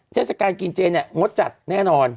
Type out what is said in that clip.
เทศกาลกินเจเนี่ยงดจัดแน่นอน